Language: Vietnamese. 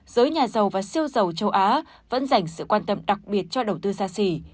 giới nhà giàu và siêu giàu châu á vẫn dành sự quan tâm đặc biệt cho đầu tư gia sĩ